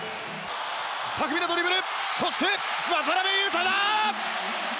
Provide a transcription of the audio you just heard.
巧みなドリブルそして渡邊雄太だ！